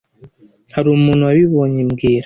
Hari umuntu wabibonye mbwira